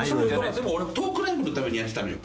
でも俺トークライブのためにやってたのよ。